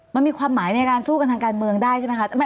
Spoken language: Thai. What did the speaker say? มันมีความหมายในการสู้กันทางการเมืองได้ใช่ไหมคะ